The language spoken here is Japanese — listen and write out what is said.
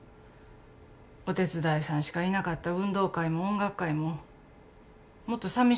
お手伝いさんしかいなかった運動会も音楽会ももっとさみしくなかったかもなって。